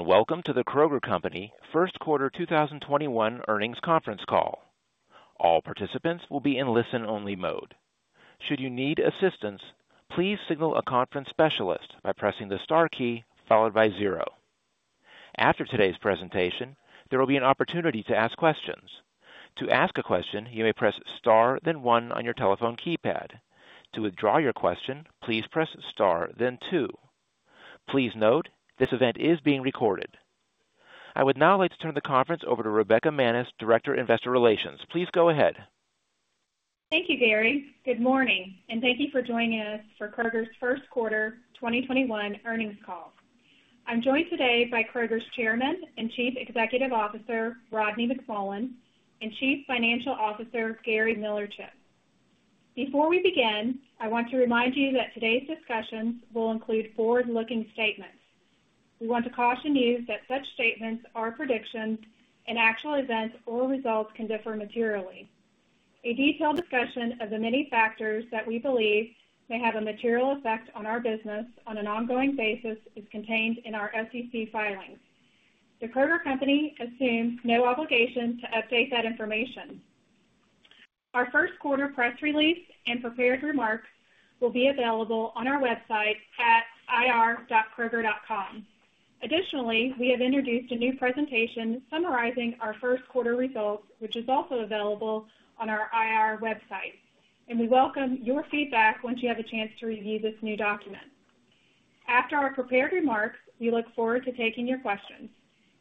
Welcome to The Kroger Co. First Quarter 2021 Earnings Conference Call. All participants will be in a listen-only mode. Should you need assistance please signal account specialist by pressing the star key followed by zero. After today’s presentation, there will be an opportunity to ask questions. To ask a question you may press star then one on your telephone keypad. To withdraw your question please press star then two. Please note this event is being recorded. I would now like to turn the conference over to Rebekah Manis, Director, Investor Relations. Please go ahead. Thank you, Barry. Good morning, and thank you for joining us for Kroger's First Quarter 2021 Earnings Call. I'm joined today by Kroger's Chairman and Chief Executive Officer, Rodney McMullen, and Chief Financial Officer, Gary Millerchip. Before we begin, I want to remind you that today's discussions will include forward-looking statements. We want to caution you that such statements are predictions, and actual events or results can differ materially. A detailed discussion of the many factors that we believe may have a material effect on our business on an ongoing basis is contained in our SEC filings. The Kroger Co. assumes no obligation to update that information. Our first quarter press release and prepared remarks will be available on our website at ir.kroger.com. Additionally, we have introduced a new presentation summarizing our first quarter results, which is also available on our IR website, and we welcome your feedback once you have a chance to review this new document. After our prepared remarks, we look forward to taking your questions.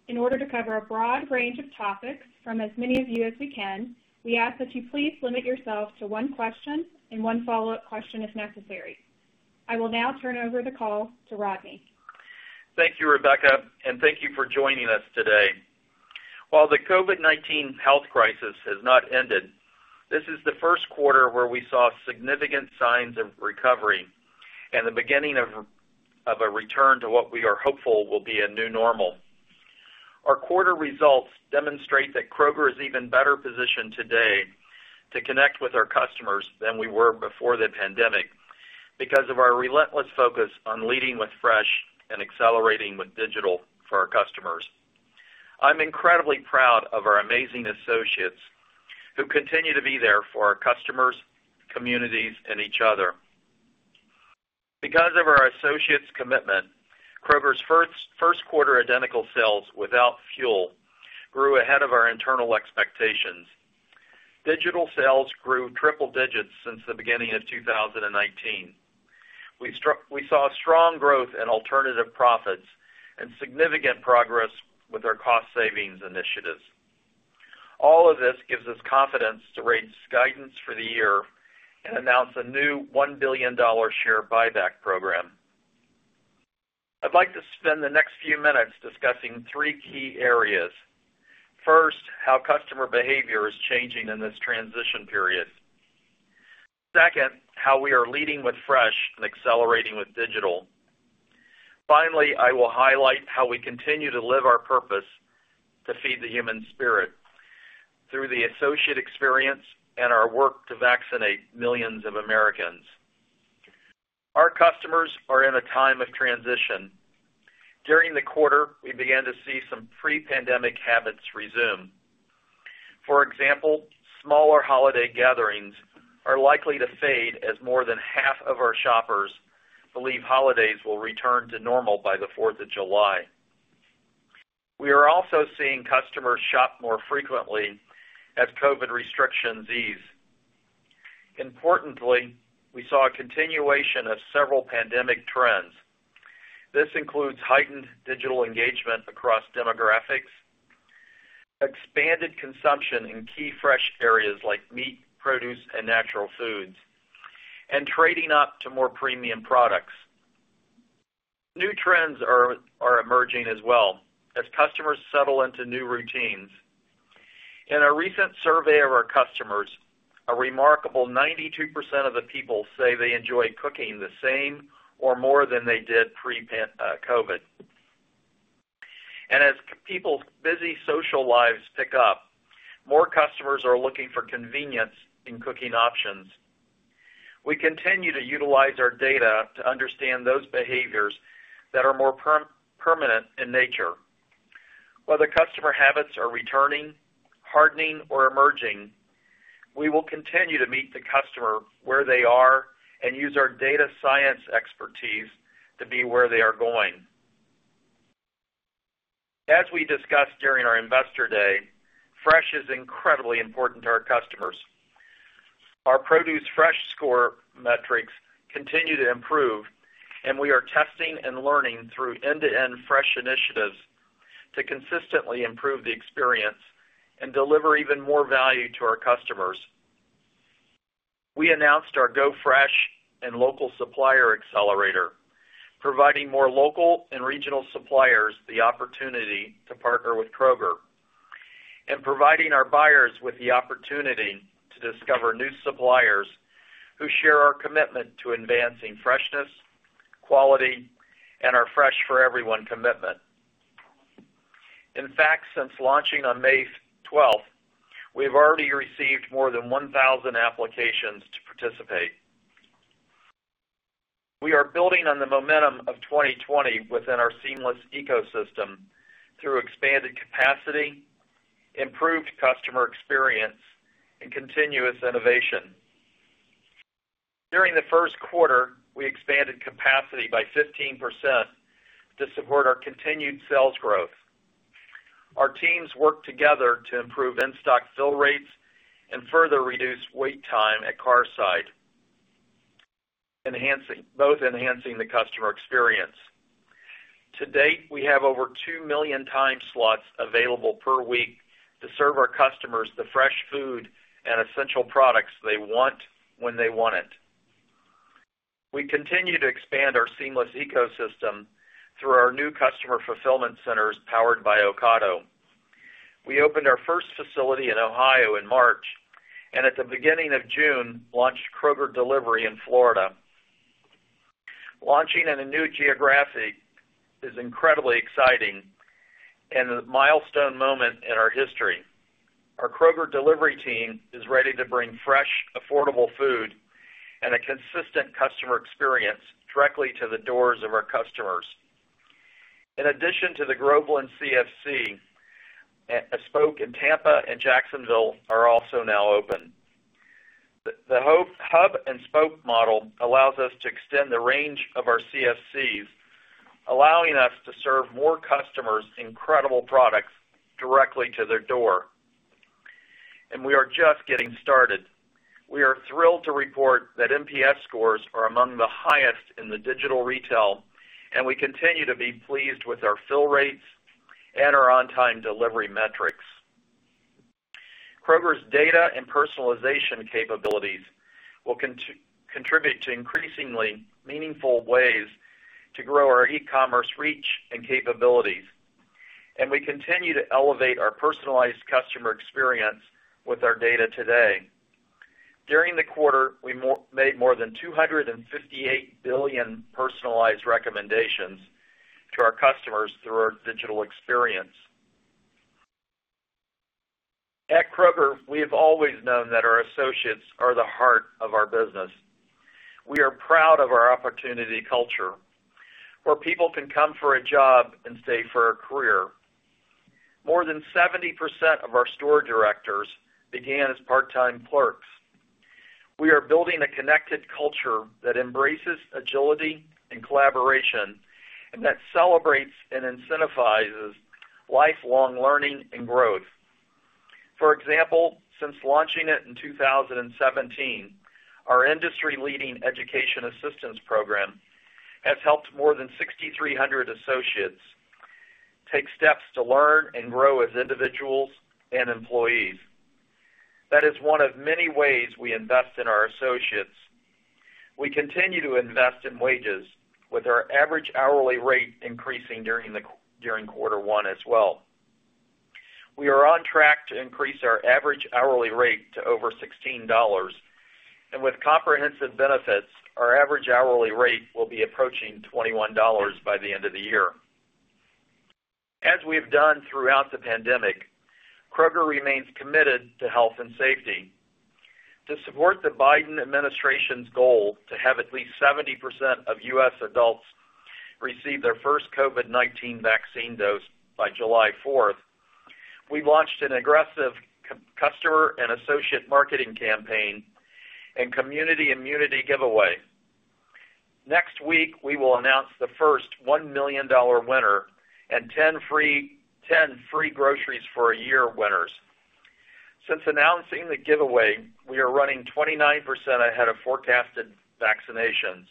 In order to cover a broad range of topics from as many of you as we can, we ask that you please limit yourself to one question and one follow-up question if necessary. I will now turn over the call to Rodney. Thank you, Rebekah, and thank you for joining us today. While the COVID-19 health crisis has not ended, this is the first quarter where we saw significant signs of recovery and the beginning of a return to what we are hopeful will be a new normal. Our quarter results demonstrate that Kroger is even better positioned today to connect with our customers than we were before the pandemic because of our relentless focus on leading with fresh and accelerating with digital for our customers. I'm incredibly proud of our amazing associates who continue to be there for our customers, communities, and each other. Because of our associates' commitment, Kroger's first quarter identical sales without fuel grew ahead of our internal expectations. Digital sales grew triple digits since the beginning of 2019. We saw strong growth in alternative profits and significant progress with our cost savings initiatives. All of this gives us confidence to raise guidance for the year and announce a new $1 billion share buyback program. I'd like to spend the next few minutes discussing three key areas. First, how customer behavior is changing in this transition period. Second, how we are leading with fresh and accelerating with digital. Finally, I will highlight how we continue to live our purpose to feed the human spirit through the associate experience and our work to vaccinate millions of Americans. Our customers are in a time of transition. During the quarter, we began to see some pre-pandemic habits resume. For example, smaller holiday gatherings are likely to fade as more than half of our shoppers believe holidays will return to normal by the July 4th. We are also seeing customers shop more frequently as COVID restrictions ease. Importantly, we saw a continuation of several pandemic trends. This includes heightened digital engagement across demographics, expanded consumption in key fresh areas like meat, produce, and natural foods, and trading up to more premium products. New trends are emerging as well as customers settle into new routines. In a recent survey of our customers, a remarkable 92% of the people say they enjoy cooking the same or more than they did pre-COVID-19. As people's busy social lives pick up, more customers are looking for convenience in cooking options. We continue to utilize our data to understand those behaviors that are more permanent in nature. Whether customer habits are returning, hardening, or emerging, we will continue to meet the customer where they are and use our data science expertise to be where they are going. As we discussed during our Investor Day, fresh is incredibly important to our customers. Our produce fresh score metrics continue to improve, and we are testing and learning through end-to-end fresh initiatives to consistently improve the experience and deliver even more value to our customers. We announced our Go Fresh & Local Supplier Accelerator, providing more local and regional suppliers the opportunity to partner with Kroger and providing our buyers with the opportunity to discover new suppliers who share our commitment to advancing freshness, quality, and our Fresh for Everyone commitment. In fact, since launching on May 12th, we've already received more than 1,000 applications to participate. We are building on the momentum of 2020 within our seamless ecosystem through expanded capacity, improved customer experience, and continuous innovation. During the first quarter, we expanded capacity by 15% to support our continued sales growth. Our teams worked together to improve in-stock fill rates and further reduce wait time at carside, both enhancing the customer experience. To date, we have over 2 million time slots available per week to serve our customers the fresh food and essential products they want when they want it. We continue to expand our seamless ecosystem through our new customer fulfillment centers powered by Ocado. We opened our first facility in Ohio in March, and at the beginning of June, launched Kroger Delivery in Florida. Launching in a new geography is incredibly exciting and a milestone moment in our history. Our Kroger Delivery team is ready to bring fresh, affordable food and a consistent customer experience directly to the doors of our customers. In addition to the Groveland CFC, a spoke in Tampa and Jacksonville are also now open. The hub and spoke model allows us to extend the range of our CFCs, allowing us to serve more customers incredible products directly to their door. We are just getting started. We are thrilled to report that NPS scores are among the highest in the digital retail. We continue to be pleased with our fill rates and our on-time delivery metrics. Kroger's data and personalization capabilities will contribute to increasingly meaningful ways to grow our e-commerce reach and capabilities. We continue to elevate our personalized customer experience with our data today. During the quarter, we made more than 258 billion personalized recommendations to our customers through our digital experience. At Kroger, we have always known that our associates are the heart of our business. We are proud of our opportunity culture, where people can come for a job and stay for a career. More than 70% of our store directors began as part-time clerks. We are building a connected culture that embraces agility and collaboration, and that celebrates and incentivizes lifelong learning and growth. For example, since launching it in 2017, our industry-leading education assistance program has helped more than 6,300 associates take steps to learn and grow as individuals and employees. That is one of many ways we invest in our associates. We continue to invest in wages, with our average hourly rate increasing during quarter one as well. We are on track to increase our average hourly rate to over $16, and with comprehensive benefits, our average hourly rate will be approaching $21 by the end of the year. As we've done throughout the pandemic, Kroger remains committed to health and safety. To support the Biden administration's goal to have at least 70% of U.S. adults receive their first COVID-19 vaccine dose by July 4th, we've launched an aggressive customer and associate marketing campaign and Community Immunity giveaway. Next week, we will announce the first $1 million winner and 10 free groceries for a year winners. Since announcing the giveaway, we are running 29% ahead of forecasted vaccinations.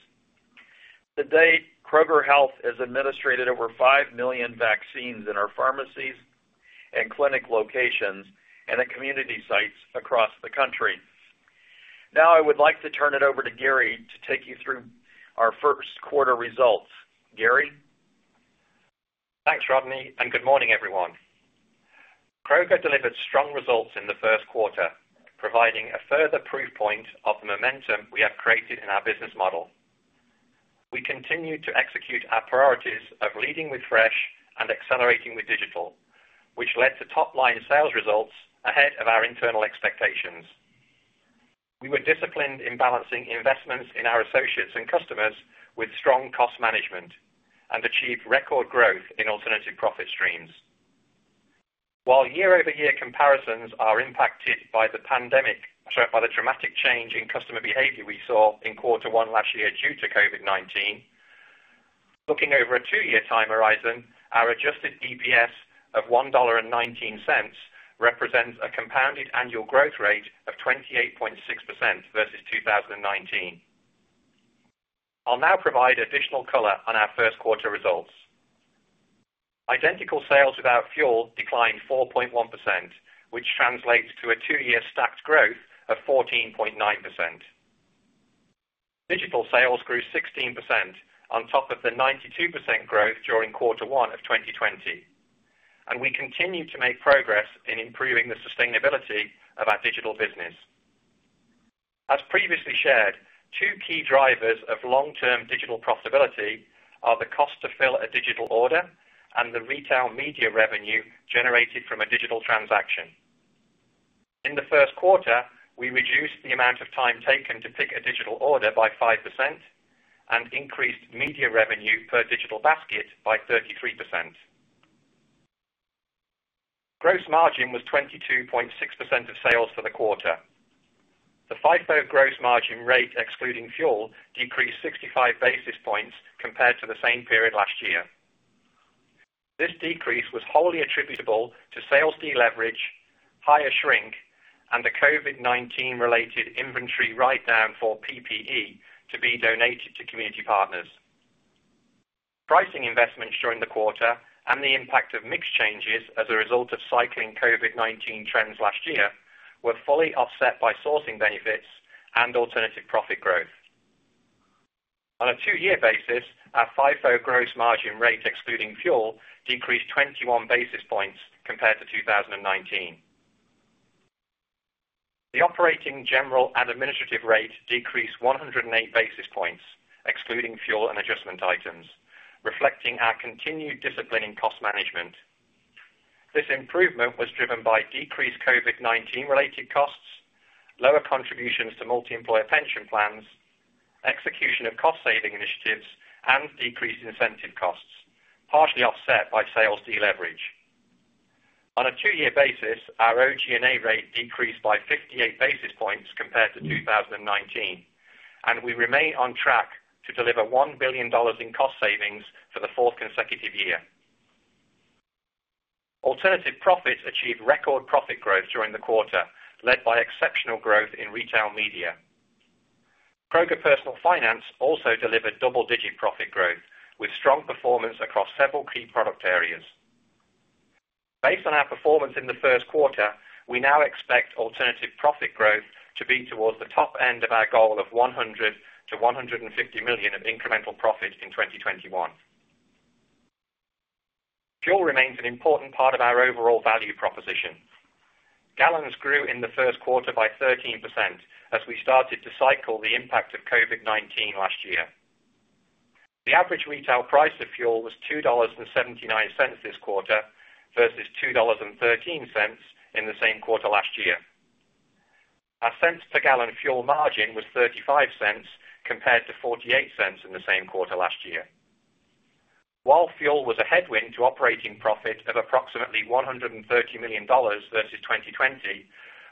To date, Kroger Health has administered over 5 million vaccines in our pharmacies and clinic locations and at community sites across the country. I would like to turn it over to Gary to take you through our first quarter results. Gary? Thanks, Rodney. Good morning, everyone. Kroger delivered strong results in the first quarter, providing a further proof point of the momentum we have created in our business model. We continued to execute our priorities of leading with fresh and accelerating with digital, which led to top line sales results ahead of our internal expectations. We were disciplined in balancing investments in our associates and customers with strong cost management and achieved record growth in alternative profit streams. While year-over-year comparisons are impacted by the pandemic, by the dramatic change in customer behavior we saw in quarter one last year due to COVID-19, looking over a two-year time horizon, our adjusted EPS of $1.19 represents a compounded annual growth rate of 28.6% versus 2019. I'll now provide additional color on our first quarter results. Identical sales without fuel declined 4.1%, which translates to a two-year stacked growth of 14.9%. Digital sales grew 16% on top of the 92% growth during quarter one of 2020. We continue to make progress in improving the sustainability of our digital business. As previously shared, two key drivers of long-term digital profitability are the cost to fill a digital order and the retail media revenue generated from a digital transaction. In the first quarter, we reduced the amount of time taken to pick a digital order by 5% and increased media revenue per digital basket by 33%. Gross margin was 22.6% of sales for the quarter. The FIFO gross margin rate excluding fuel decreased 65 basis points compared to the same period last year. This decrease was wholly attributable to sales deleverage, higher shrink, and the COVID-19 related inventory write-down for PPE to be donated to community partners. Pricing investments during the quarter and the impact of mix changes as a result of cycling COVID-19 trends last year were fully offset by sourcing benefits and alternative profit growth. On a two-year basis, our FIFO gross margin rate excluding fuel decreased 21 basis points compared to 2019. The operating general and administrative rate decreased 108 basis points, excluding fuel and adjustment items, reflecting our continued discipline in cost management. This improvement was driven by decreased COVID-19 related costs, lower contributions to multi-employer pension plans, execution of cost-saving initiatives, and decreased incentive costs, partially offset by sales deleverage. On a two-year basis, our OG&A rate decreased by 58 basis points compared to 2019. We remain on track to deliver $1 billion in cost savings for the fourth consecutive year. Alternative profits achieved record profit growth during the quarter, led by exceptional growth in retail media. Kroger Personal Finance also delivered double-digit profit growth with strong performance across several key product areas. Based on our performance in the first quarter, we now expect alternative profit growth to be towards the top end of our goal of $100 million-$150 million of incremental profits in 2021. Fuel remains an important part of our overall value proposition. Gallons grew in the first quarter by 13% as we started to cycle the impact of COVID-19 last year. The average retail price of fuel was $2.79 this quarter versus $2.13 in the same quarter last year. Our cents per gallon fuel margin was $0.35 compared to $0.48 in the same quarter last year. While fuel was a headwind to operating profit of approximately $130 million versus 2020,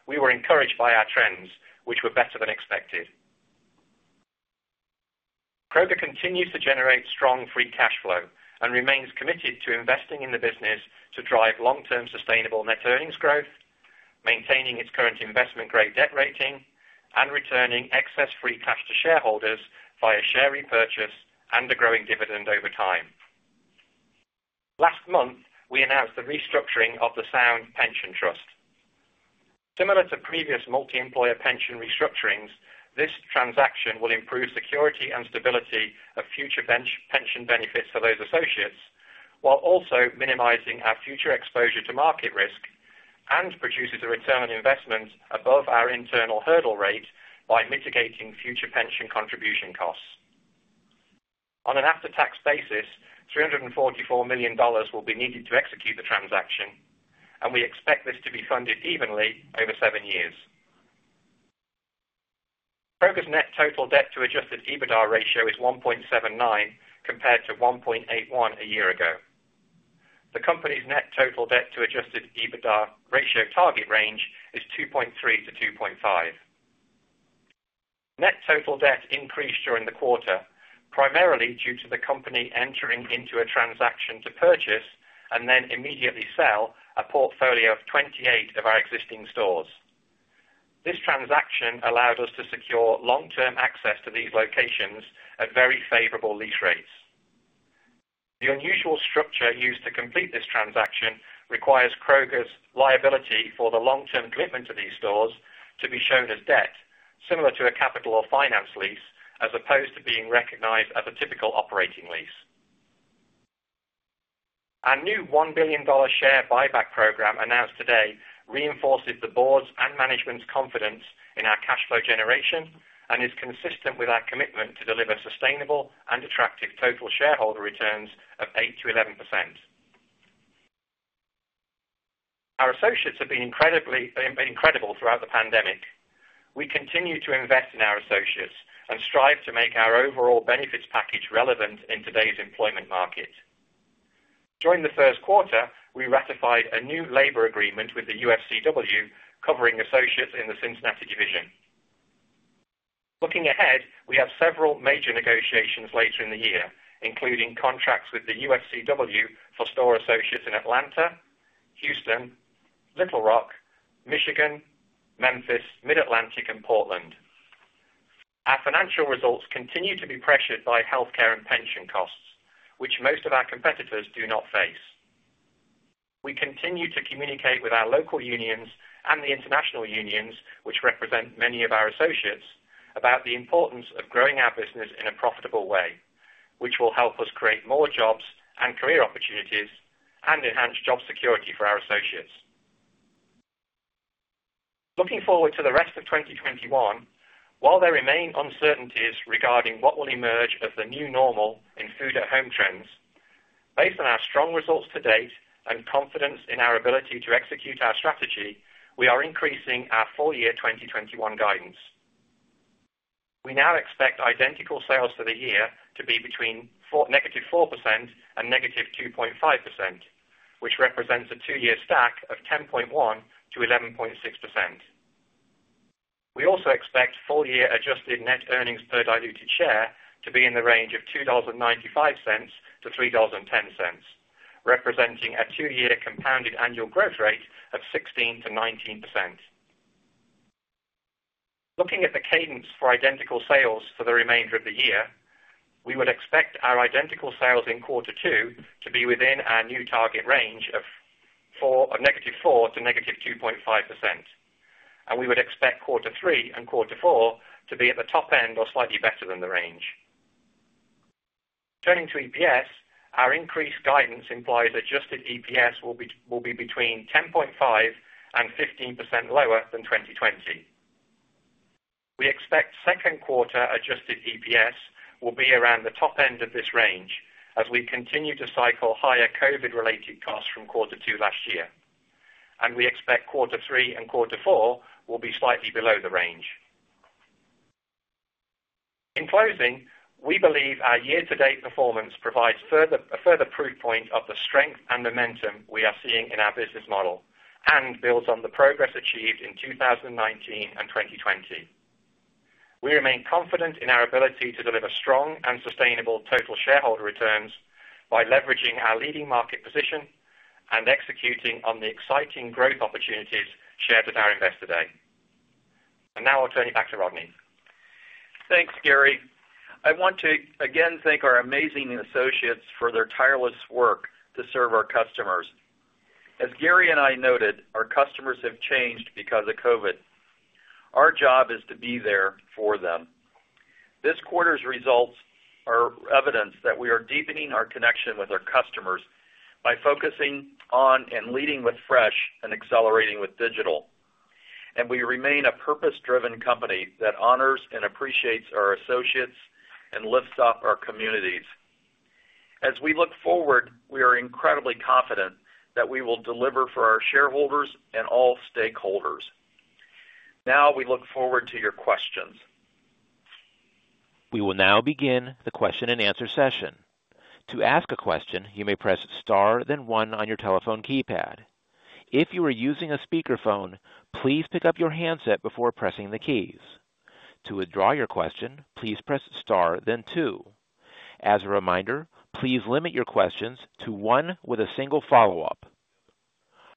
we were encouraged by our trends, which were better than expected. Kroger continues to generate strong free cash flow and remains committed to investing in the business to drive long-term sustainable net earnings growth, maintaining its current investment-grade debt rating, and returning excess free cash to shareholders via share repurchase and a growing dividend over time. Last month, we announced the restructuring of the Sound Retirement Trust. Similar to previous multi-employer pension restructurings, this transaction will improve security and stability of future pension benefits for those associates, while also minimizing our future exposure to market risk and produces a return on investment above our internal hurdle rate by mitigating future pension contribution costs. On an after-tax basis, $344 million will be needed to execute the transaction, and we expect this to be funded evenly over seven years. Kroger's net total debt to adjusted EBITDA ratio is 1.79, compared to 1.81 a year ago. The company's net total debt to adjusted EBITDA ratio target range is 2.3-2.5. Net total debt increased during the quarter, primarily due to the company entering into a transaction to purchase and then immediately sell a portfolio of 28 of our existing stores. This transaction allows us to secure long-term access to these locations at very favorable lease rates. The unusual structure used to complete this transaction requires Kroger's liability for the long-term equipment of these stores to be shown as debt, similar to a capital or finance lease, as opposed to being recognized as a typical operating lease. Our new $1 billion share buyback program announced today reinforces the board's and management's confidence in our cash flow generation and is consistent with our commitment to deliver sustainable and attractive total shareholder returns of 8%-11%. Our associates have been incredible throughout the pandemic. We continue to invest in our associates and strive to make our overall benefits package relevant in today's employment market. During the first quarter, we ratified a new labor agreement with the UFCW covering associates in the Cincinnati division. Looking ahead, we have several major negotiations later in the year, including contracts with the UFCW for store associates in Atlanta, Houston, Little Rock, Michigan, Memphis, Mid-Atlantic, and Portland. Our financial results continue to be pressured by healthcare and pension costs, which most of our competitors do not face. We continue to communicate with our local unions and the international unions, which represent many of our associates, about the importance of growing our business in a profitable way, which will help us create more jobs and career opportunities and enhance job security for our associates. Looking forward to the rest of 2021, while there remain uncertainties regarding what will emerge as the new normal in food at home trends. Based on our strong results to date and confidence in our ability to execute our strategy, we are increasing our full year 2021 guidance. We now expect identical sales for the year to be between -4% and -2.5%, which represents a two-year stack of 10.1%-11.6%. We also expect full year adjusted net earnings per diluted share to be in the range of $2.95-$3.10, representing a two-year compounded annual growth rate of 16%-19%. Looking at the cadence for identical sales for the remainder of the year, we would expect our identical sales in quarter two to be within our new target range of -4% to -2.5%, and we would expect quarter three and quarter four to be at the top end or slightly better than the range. Turning to EPS, our increased guidance implies adjusted EPS will be between 10.5% and 15% lower than 2020. We expect second quarter adjusted EPS will be around the top end of this range as we continue to cycle higher COVID-related costs from quarter two last year, and we expect quarter three and quarter four will be slightly below the range. In closing, we believe our year to date performance provides a further proof point of the strength and momentum we are seeing in our business model and builds on the progress achieved in 2019 and 2020. We remain confident in our ability to deliver strong and sustainable total shareholder returns by leveraging our leading market position and executing on the exciting growth opportunities shared at our Investor Day. Now I'll turn it back to Rodney. Thanks, Gary. I want to again thank our amazing associates for their tireless work to serve our customers. As Gary and I noted, our customers have changed because of COVID. Our job is to be there for them. This quarter's results are evidence that we are deepening our connection with our customers by focusing on and leading with fresh and accelerating with digital. We remain a purpose-driven company that honors and appreciates our associates and lifts up our communities. As we look forward, we are incredibly confident that we will deliver for our shareholders and all stakeholders. Now we look forward to your questions. We will now begin the question and answer session. To ask a question you may press star then one on your telephone keypad. If you are using a speaker phone, please pick up the handset before pressing the keys. To withdraw your question please press star then two. As a reminder please limit your questions to one with a single follow-up.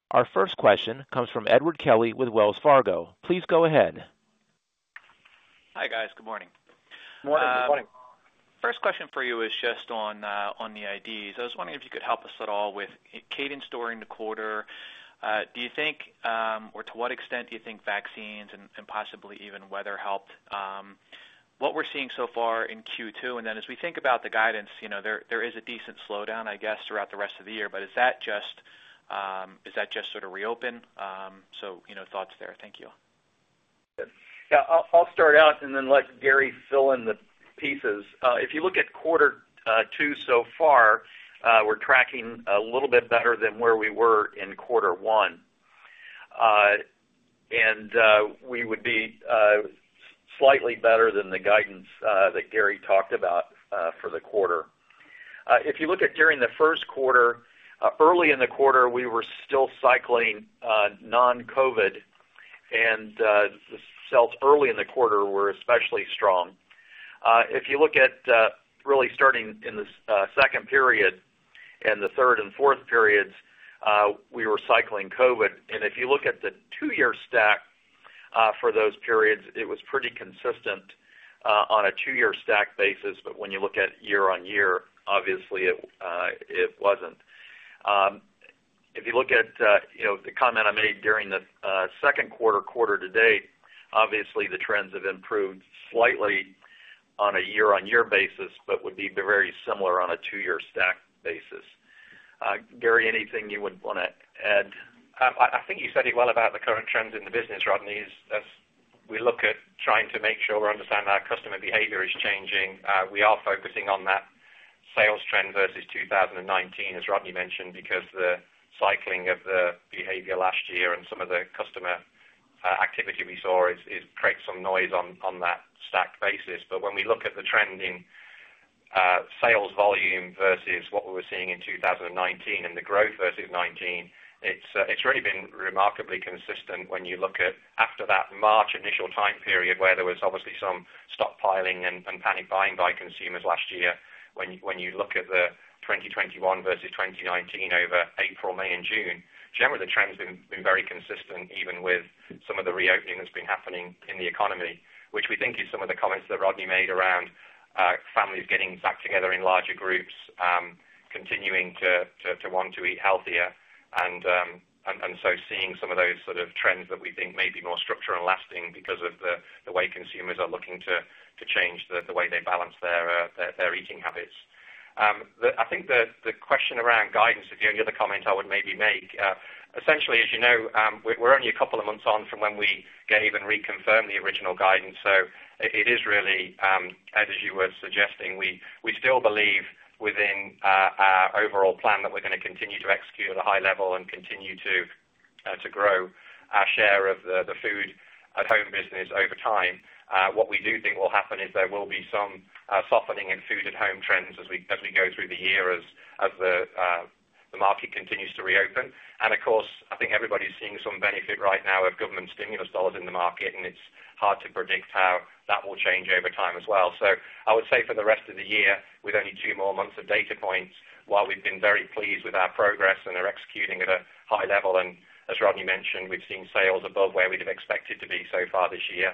Our first question comes from Edward Kelly with Wells Fargo. Please go ahead. Hi, guys. Good morning. Morning. Good morning. First question for you is just on the IDs. I was wondering if you could help us at all with cadence during the quarter? Do you think, or to what extent do you think vaccines and possibly even weather helped what we're seeing so far in Q2? Then as we think about the guidance, there is a decent slowdown, I guess, throughout the rest of the year. Is that just sort of reopen? Thoughts there. Thank you. Yeah. I'll start out and then let Gary fill in the pieces. If you look at quarter two so far, we're tracking a little bit better than where we were in quarter one. We would be slightly better than the guidance that Gary talked about for the quarter. If you look at during the first quarter, early in the quarter, we were still cycling non-COVID, and the sales early in the quarter were especially strong. If you look at really starting in the second period and the third and fourth periods, we were cycling COVID. If you look at the two-year stack for those periods, it was pretty consistent on a two-year stack basis. When you look at year-over-year, obviously it wasn't. If you look at the comment I made during the second quarter to date, obviously the trends have improved slightly on a year-over-year basis, but would be very similar on a two-year stack basis. Gary, anything you would want to add? I think you said it well about the current trends in the business, Rodney, is as we look at trying to make sure we understand that our customer behavior is changing, we are focusing on that sales trend versus 2019, as Rodney mentioned, because the cycling of the behavior last year and some of the customer activity we saw creates some noise on that stack basis. When we look at the trend in sales volume versus what we were seeing in 2019 and the growth versus 2019, it's really been remarkably consistent when you look at after that March initial time period where there was obviously some stockpiling and panic buying by consumers last year. When you look at the 2021 versus 2019 over April, May and June, generally the trend has been very consistent even with some of the reopening that's been happening in the economy, which we think is some of the comments that Rodney made around families getting back together in larger groups, continuing to want to eat healthier. Seeing some of those sort of trends that we think may be more structural and lasting because of the way consumers are looking to change the way they balance their eating habits. I think the question around guidance, if any other comment I would maybe make, essentially, as you know, we're only a couple of months on from when we gave and reconfirmed the original guidance. It is really, as you were suggesting, we still believe within our overall plan that we're going to continue to execute at a high level and continue to grow our share of the food at home business over time. What we do think will happen is there will be some softening in food at home trends as we definitely go through the year as the market continues to reopen. Of course, I think everybody's seeing some benefit right now of government stimulus dollars in the market, and it's hard to predict how that will change over time as well. I would say for the rest of the year, with only two more months of data points, while we've been very pleased with our progress and are executing at a high level, and as Rodney mentioned, we've seen sales above where we'd have expected to be so far this year.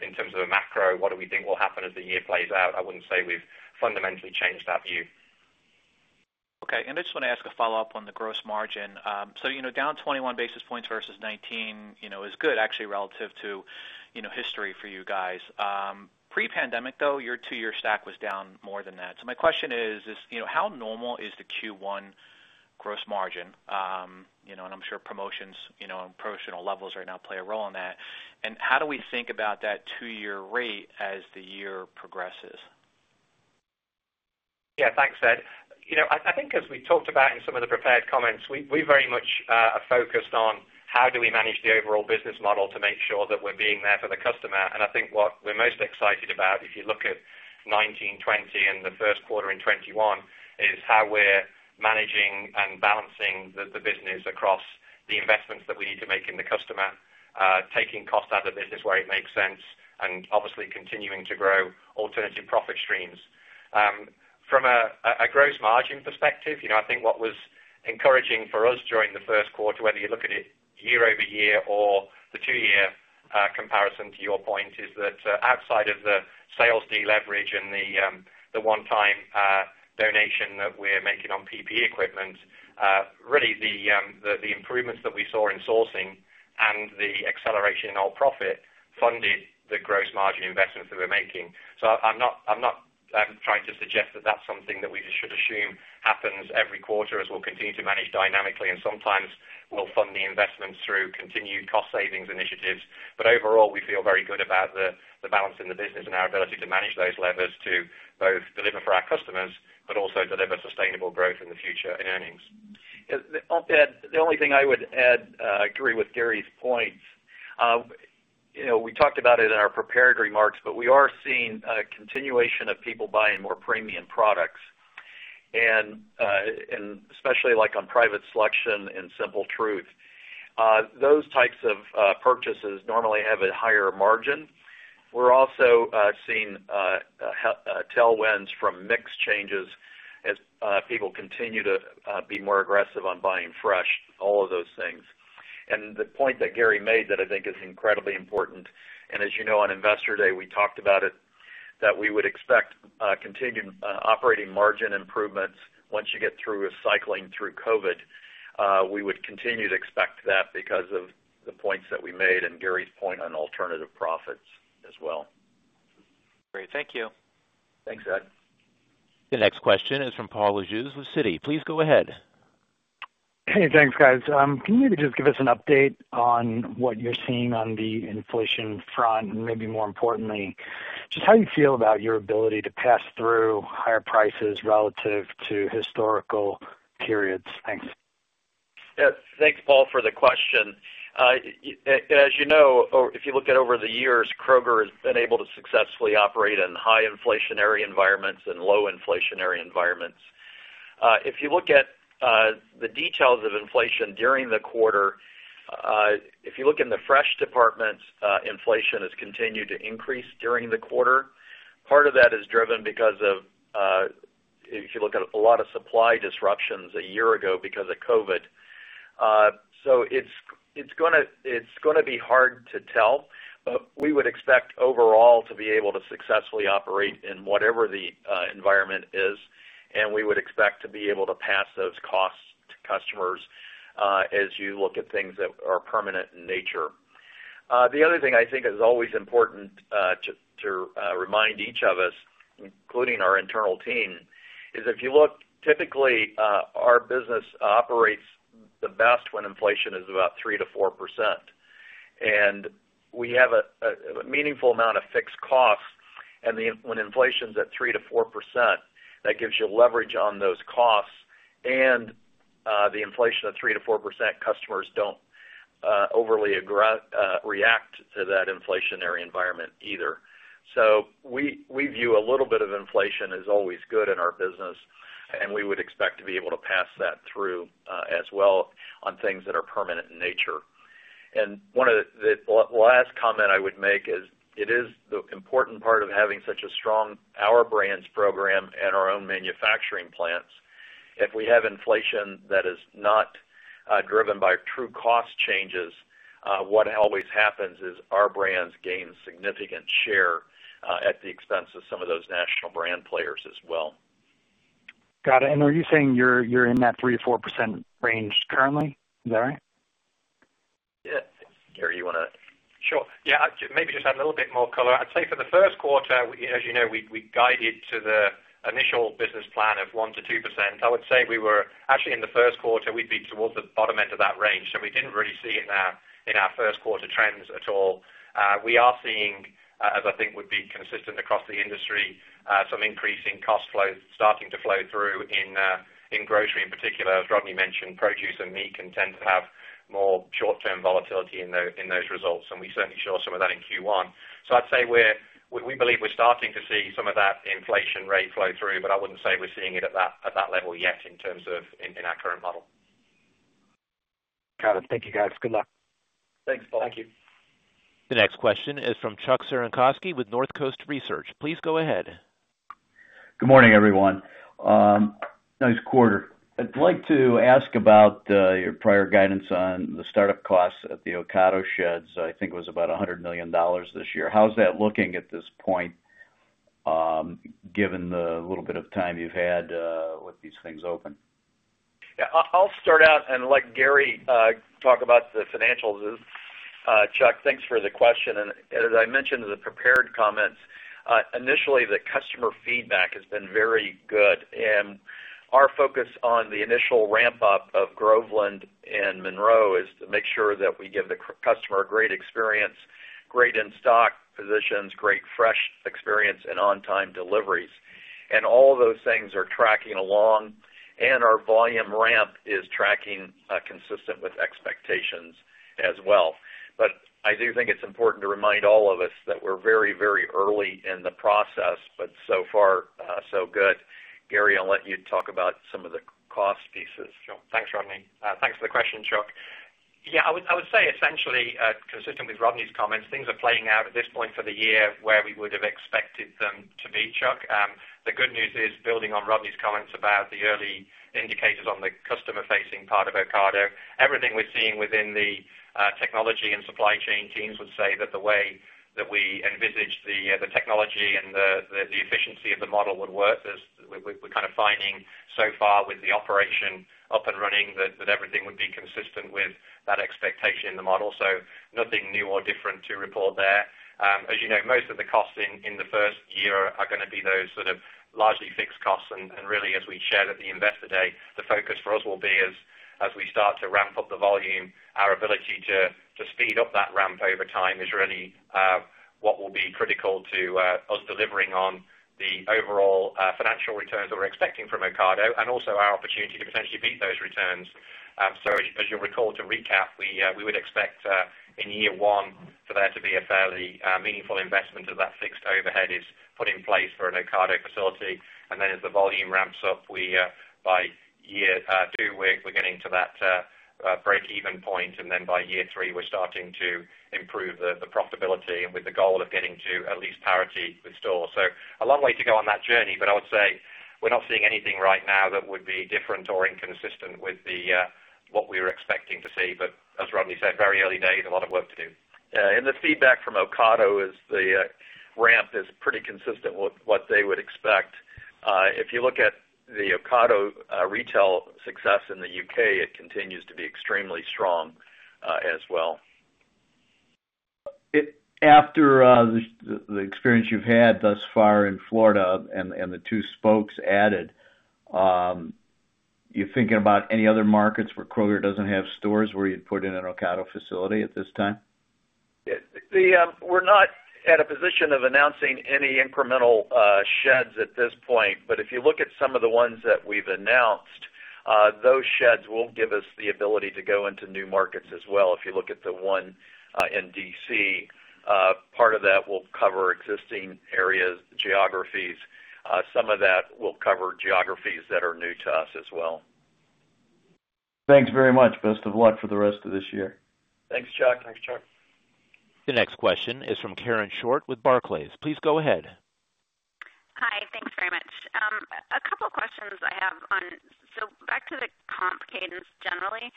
In terms of the macro, what do we think will happen as the year plays out? I wouldn't say we've fundamentally changed our view. Okay. I just want to ask a follow-up on the gross margin. Down 21 basis points versus 19 basis points is good actually relative to history for you guys. Pre-pandemic though, your two-year stack was down more than that. My question is how normal is the Q1 gross margin? I'm sure promotions and promotional levels right now play a role in that. How do we think about that two-year rate as the year progresses? Thanks, Ed. I think as we talked about in some of the prepared comments, we very much are focused on how do we manage the overall business model to make sure that we're being there for the customer. I think what we're most excited about, if you look at 2019, 2020, and the first quarter in 2021, is how we're managing and balancing the business across the investments that we need to make in the customer, taking cost out of the business where it makes sense, and obviously continuing to grow alternative profit streams. From a gross margin perspective, I think what was encouraging for us during the first quarter, whether you look at it year-over-year or the two-year comparison to your point, is that outside of the sales deleverage and the one-time donation that we're making on PPE equipment, really the improvements that we saw in sourcing and the acceleration in our profit funded the gross margin investments that we're making. I'm not trying to suggest that's something that we just should assume happens every quarter, as we'll continue to manage dynamically, and sometimes we'll fund the investments through continued cost savings initiatives. Overall, we feel very good about the balance in the business and our ability to manage those levers to both deliver for our customers, but also deliver sustainable growth in the future earnings. I'll add, the only thing I would add, agree with Gary's point. We talked about it in our prepared remarks, but we are seeing a continuation of people buying more premium products and especially like on Private Selection and Simple Truth. Those types of purchases normally have a higher margin. We're also seeing tailwinds from mix changes as people continue to be more aggressive on buying fresh, all of those things. The point that Gary made that I think is incredibly important, and as you know on Investor Day, we talked about it, that we would expect continued operating margin improvements once you get through cycling through COVID. We would continue to expect that because of the points that we made and Gary's point on alternative profits as well. Great. Thank you. Thanks, Ed. The next question is from Paul Lejuez with Citi. Please go ahead. Hey, thanks, guys. Can you just give us an update on what you're seeing on the inflation front? Maybe more importantly, just how you feel about your ability to pass through higher prices relative to historical periods? Thanks. Yeah. Thanks, Paul, for the question. As you know, if you look at over the years, Kroger has been able to successfully operate in high inflationary environments and low inflationary environments. If you look at the details of inflation during the quarter, if you look in the fresh department, inflation has continued to increase during the quarter. Part of that is driven because of if you look at a lot of supply disruptions a year ago because of COVID-19. It's going to be hard to tell, but we would expect overall to be able to successfully operate in whatever the environment is, and we would expect to be able to pass those costs to customers as you look at things that are permanent in nature. The other thing I think is always important to remind each of us, including our internal team, is if you look, typically, our business operates the best when inflation is about 3%-4%. We have a meaningful amount of fixed costs, and when inflation's at 3%-4%, that gives you leverage on those costs. The inflation of 3%-4%, customers don't overly react to that inflationary environment either. We view a little bit of inflation as always good in our business, and we would expect to be able to pass that through, as well on things that are permanent in nature. The last comment I would make is, it is the important part of having such a strong Our Brands program and our own manufacturing plants. If we have inflation that is not driven by true cost changes, what always happens is Our Brands gains significant share at the expense of some of those national brand players as well. Got it. Are you saying you're in that 3%-4% range currently? Is that right? Yeah. Gary, you want to? Sure. Yeah. Maybe just add a little bit more color. I'd say for the first quarter, as you know, we guided to the initial business plan of 1%-2%. I would say we were actually in the first quarter, we'd be towards the bottom end of that range. We didn't really see it in our first quarter trends at all. We are seeing, as I think would be consistent across the industry, some increasing cost flow starting to flow through. In grocery in particular, as Rodney mentioned, produce and meat can tend to have more short-term volatility in those results, and we certainly saw some of that in Q1. I'd say we believe we're starting to see some of that inflation rate flow through, but I wouldn't say we're seeing it at that level yet in terms of in our current model. Got it. Thank you, guys. Good luck. Thanks, Paul. Thank you. The next question is from Chuck Cerankosky with Northcoast Research. Please go ahead. Good morning, everyone. Nice quarter. I'd like to ask about your prior guidance on the startup costs of the Ocado sheds. I think it was about $100 million this year. How's that looking at this point, given the little bit of time you've had with these things open? Yeah, I'll start out and let Gary talk about the financials. Chuck Cerankosky, thanks for the question. As I mentioned in the prepared comments, initially, the customer feedback has been very good. Our focus on the initial ramp-up of Groveland and Monroe is to make sure that we give the customer a great experience, great in-stock positions, great fresh experience, and on-time deliveries. All those things are tracking along, and our volume ramp is tracking consistent with expectations as well. I do think it's important to remind all of us that we're very early in the process, but so far, so good. Gary, I'll let you talk about some of the cost pieces. Sure. Thanks, Rodney. Thanks for the question, Chuck. Yeah, I would say essentially, consistent with Rodney's comments, things are playing out at this point for the year where we would have expected them to be, Chuck. The good news is building on Rodney's comments about the early indicators on the customer-facing part of Ocado. Everything we're seeing within the technology and supply chain teams would say that the way that we envisage the technology and the efficiency of the model would work, as we're kind of finding so far with the operation up and running, that everything would be consistent with that expectation in the model. Nothing new or different to report there. As you know, most of the costs in the first year are going to be those sort of largely fixed costs. Really, as we shared at the investor day, the focus for us will be as we start to ramp up the volume, our ability to speed up that ramp over time is really what will be critical to us delivering on the overall financial returns that we're expecting from Ocado and also our opportunity to potentially beat those returns. As you'll recall, to recap, we would expect in year one for there to be a fairly meaningful investment as that fixed overhead is put in place for an Ocado facility. As the volume ramps up, by year two, we're getting to that break-even point. By year three, we're starting to improve the profitability and with the goal of getting to at least parity with stores. A long way to go on that journey, but I would say we're not seeing anything right now that would be different or inconsistent with what we were expecting to see. As Rodney said, very early days, a lot of work to do. Yeah. The feedback from Ocado is the ramp is pretty consistent with what they would expect. If you look at the Ocado Retail success in the U.K., it continues to be extremely strong as well. After the experience you've had thus far in Florida and the two spokes added, you thinking about any other markets where Kroger doesn't have stores where you'd put in an Ocado facility at this time? We're not at a position of announcing any incremental sheds at this point. If you look at some of the ones that we've announced, those sheds will give us the ability to go into new markets as well. If you look at the one in D.C., part of that will cover existing areas, geographies. Some of that will cover geographies that are new to us as well. Thanks very much. Best of luck for the rest of this year. Thanks, Chuck. Thanks, Chuck. The next question is from Karen Short with Barclays. Please go ahead. Hi. Thanks very much. A couple of questions I have back to the comp cadence generally.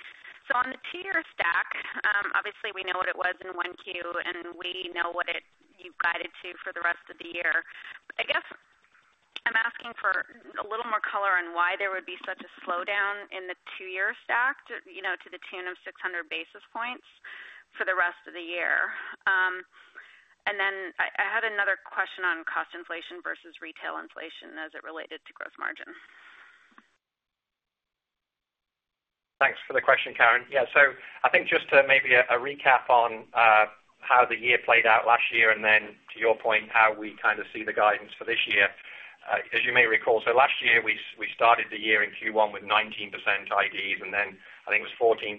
On the two-year stack, obviously we know what it was in 1Q, and we know what you've guided to for the rest of the year. I guess I'm asking for a little more color on why there would be such a slowdown in the two-year stack to the tune of 600 basis points for the rest of the year. I had another question on cost inflation versus retail inflation as it related to gross margin. Thanks for the question, Karen. I think just to maybe a recap on how the year played out last year, and then to your point, how we kind of see the guidance for this year. As you may recall, last year, we started the year in Q1 with 19% IDs, and then I think it was 14.6%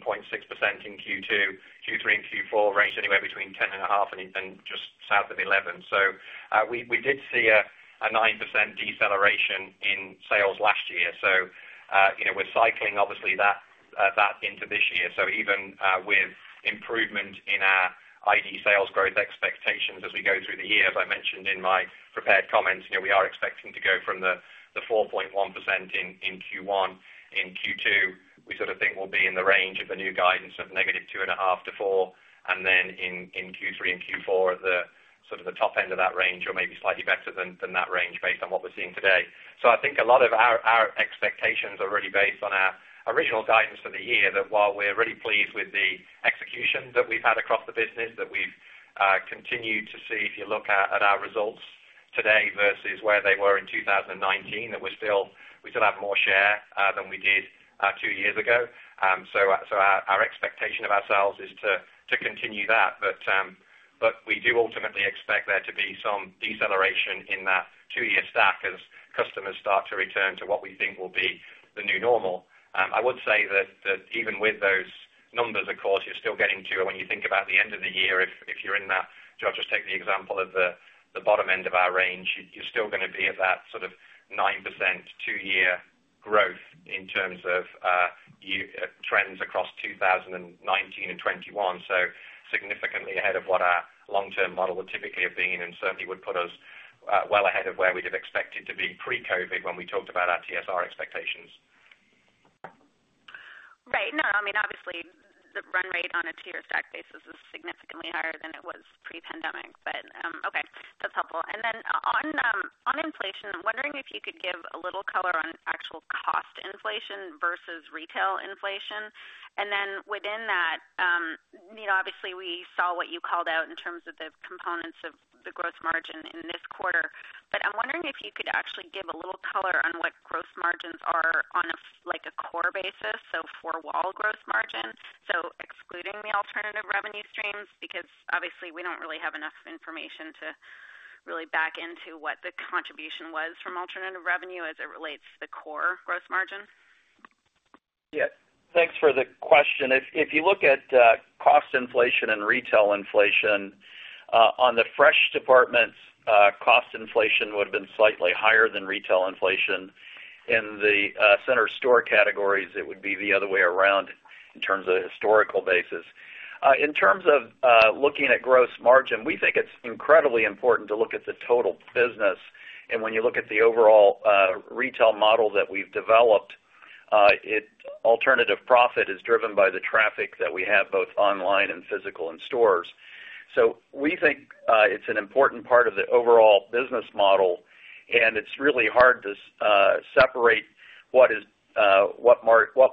in Q2. Q3 and Q4 ranged anywhere between 10.5% and just south of 11%. We did see a 9% deceleration in sales last year. We're cycling obviously that into this year. Even with improvement in our ID sales growth expectations as we go through the year, as I mentioned in my prepared comments, we are expecting to go from the 4.1% in Q1. In Q2, we sort of think we'll be in the range of the new guidance of -2.5% to 4%. In Q3 and Q4, the sort of the top end of that range or maybe slightly better than that range based on what we're seeing today. I think a lot of our expectations are really based on our original guidance for the year that while we're really pleased with the execution that we've had across the business, that we've continued to see if you look at our results today versus where they were in 2019, that we still have more share than we did two years ago. Our expectation of ourselves is to continue that, but we do ultimately expect there to be some deceleration in that two-year stack as customers start to return to what we think will be the new normal. I would say that even with those numbers, of course, you're still getting to, when you think about the end of the year, if you're in that, just take the example of the bottom end of our range, you're still going to be at that sort of 9% two-year growth in terms of trends across 2019 and 2021. Significantly ahead of what our long-term model would typically have been, and certainly would put us well ahead of where we'd have expected to be pre-COVID-19 when we talked about our TSR expectations. Right. No, I mean, obviously, the run rate on a two-year stack basis is significantly higher than it was pre-pandemic. Okay, that's helpful. On inflation, I'm wondering if you could give a little color on actual cost inflation versus retail inflation. Within that, obviously, we saw what you called out in terms of the components of the gross margin in this quarter, but I'm wondering if you could actually give a little color on what gross margins are on a core basis, so four-wall gross margin. Excluding the alternative revenue streams, because obviously we don't really have enough information to really back into what the contribution was from alternative revenue as it relates to the core gross margin. Yeah. Thanks for the question. If you look at cost inflation and retail inflation, on the fresh departments, cost inflation would have been slightly higher than retail inflation. In the center store categories, it would be the other way around in terms of the historical basis. In terms of looking at gross margin, we think it's incredibly important to look at the total business. When you look at the overall retail model that we've developed, alternative profit is driven by the traffic that we have, both online and physical in stores. We think it's an important part of the overall business model, and it's really hard to separate what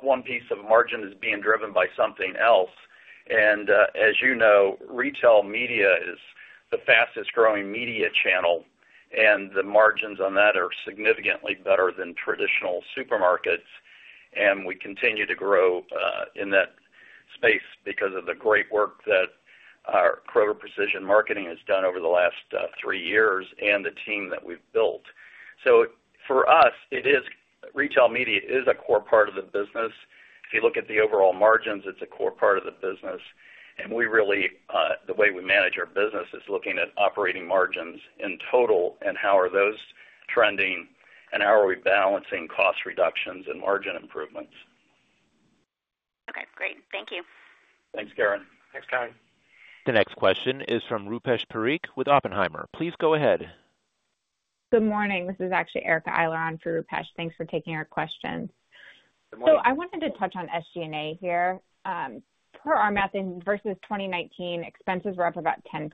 one piece of margin is being driven by something else. As you know, retail media is the fastest growing media channel, and the margins on that are significantly better than traditional supermarkets. We continue to grow in that space because of the great work that our Kroger Precision Marketing has done over the last three years and the team that we've built. For us, retail media is a core part of the business. If you look at the overall margins, it's a core part of the business. The way we manage our business is looking at operating margins in total and how are those trending, and how are we balancing cost reductions and margin improvements. Okay, great. Thank you. Thanks, Karen. Thanks, Karen. The next question is from Rupesh Parikh with Oppenheimer. Please go ahead. Good morning. This is actually Erica Eiler on for Rupesh Parikh. Thanks for taking our question. Good morning. I wanted to touch on SG&A here. Per our math in versus 2019, expenses were up about 10%.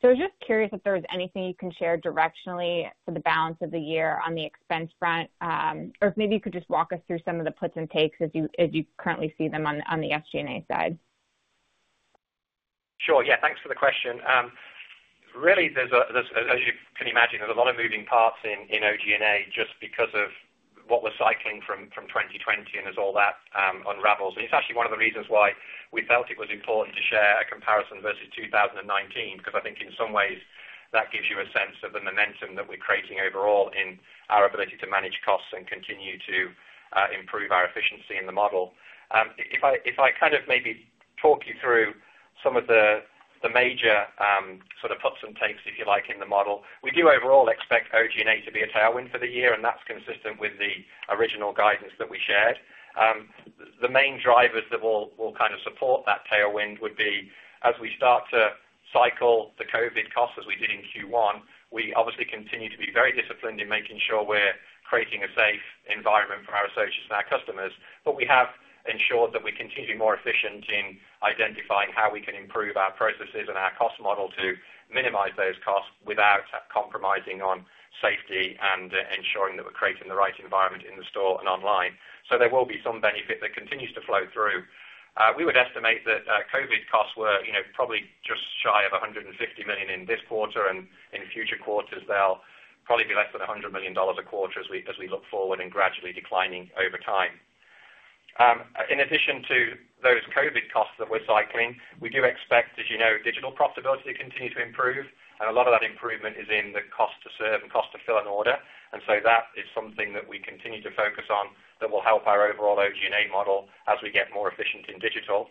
Just curious if there was anything you can share directionally for the balance of the year on the expense front, or if maybe you could just walk us through some of the puts and takes as you currently see them on the SG&A side. Sure. Thanks for the question. Really, as you can imagine, there's a lot of moving parts in OG&A just because of what we're cycling from 2020 and as all that unravels. It's actually one of the reasons why we felt it was important to share a comparison versus 2019, because I think in some ways, that gives you a sense of the momentum that we're creating overall in our ability to manage costs and continue to improve our efficiency in the model. If I kind of maybe talk you through some of the major sort of puts and takes, if you like, in the model. We do overall expect OG&A to be a tailwind for the year, and that's consistent with the original guidance that we shared. The main drivers that will kind of support that tailwind would be as we start to cycle the COVID costs as we did in Q1, we obviously continue to be very disciplined in making sure we're creating a safe environment for our associates and our customers. We have ensured that we continue to be more efficient in identifying how we can improve our processes and our cost model to minimize those costs without compromising on safety and ensuring that we're creating the right environment in the store and online. There will be some benefit that continues to flow through. We would estimate that COVID costs were probably just shy of $150 million in this quarter, and in future quarters, they'll probably be less than $100 million a quarter as we look forward and gradually declining over time. In addition to those COVID costs that we're cycling, we do expect, as you know, digital profitability to continue to improve, and a lot of that improvement is in the cost to serve and cost to fill an order. That is something that we continue to focus on that will help our overall OG&A model as we get more efficient in digital.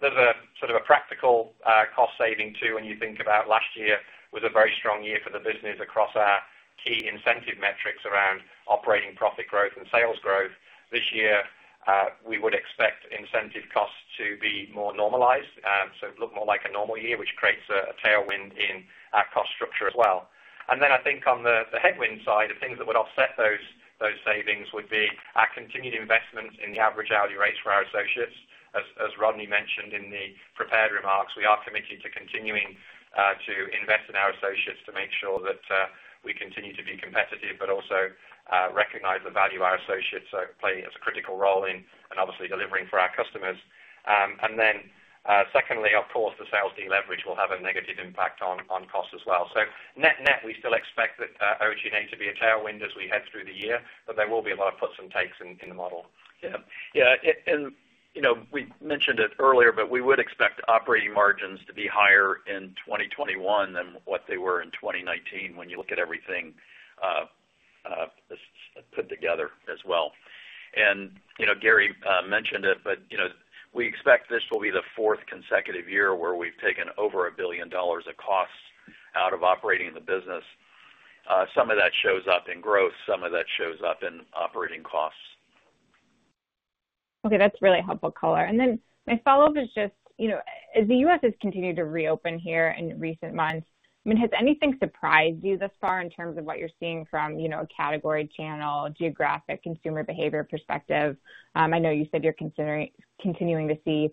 There's a sort of a practical cost saving, too, when you think about last year was a very strong year for the business across our key incentive metrics around operating profit growth and sales growth. This year, we would expect incentive costs to be more normalized, so it look more like a normal year, which creates a tailwind in our cost structure as well. I think on the headwind side, the things that would offset those savings would be our continued investments in the average hourly rates for our associates. As Rodney mentioned in the prepared remarks, we are committed to continuing to invest in our associates to make sure that we continue to be competitive, but also recognize the value our associates are playing as a critical role in and obviously delivering for our customers. Secondly, of course, the sales deleverage will have a negative impact on costs as well. Net-net, we still expect that OG&A to be a tailwind as we head through the year, but there will be a lot of puts and takes in the model. Yeah. We mentioned it earlier, we would expect operating margins to be higher in 2021 than what they were in 2019 when you look at everything put together as well. Gary mentioned it, we expect this will be the fourth consecutive year where we've taken over a billion dollar of costs out of operating the business. Some of that shows up in growth, some of that shows up in operating costs. Okay. That's really helpful color. My follow-up is just, as the U.S. has continued to reopen here in recent months, has anything surprised you thus far in terms of what you're seeing from a category, channel, geographic consumer behavior perspective? I know you said you're continuing to see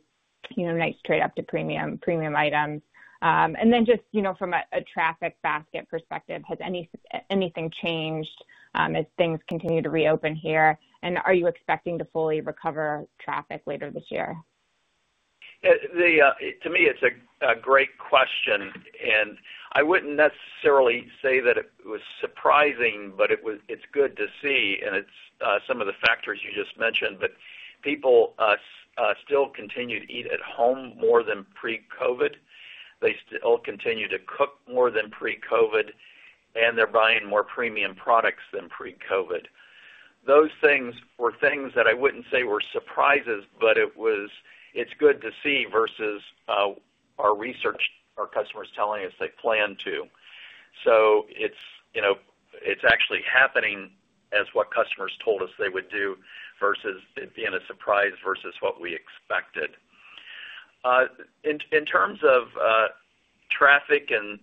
nice trade up to premium items. Just from a traffic basket perspective, has anything changed as things continue to reopen here? Are you expecting to fully recover traffic later this year? To me, it's a great question, and I wouldn't necessarily say that it was surprising, but it's good to see, and it's some of the factors you just mentioned. People still continue to eat at home more than pre-COVID. They still continue to cook more than pre-COVID, and they're buying more premium products than pre-COVID. Those things were things that I wouldn't say were surprises, but it's good to see versus our research, our customers telling us they plan to. It's actually happening as what customers told us they would do versus it being a surprise versus what we expected. In terms of traffic and